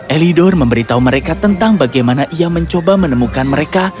elidor memberitahu mereka tentang bagaimana ia mencoba menemukan mereka